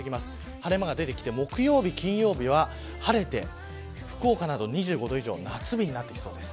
晴れ間が出てきて木曜日、金曜日は晴れて、福岡などは２５度以上で夏日になりそうです。